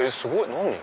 何？